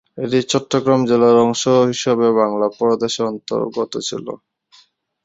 এটি চট্টগ্রাম জেলার অংশ হিসাবে বাংলা প্রদেশের অন্তর্গত ছিল।